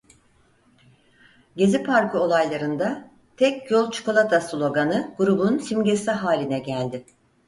Gezi Parkı olaylarında "Tek Yol Çukulata" sloganı grubun simgesi haline geldi.